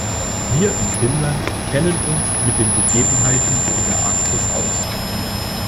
Wir in Finnland kennen uns mit den Gegebenheiten in der Arktis aus.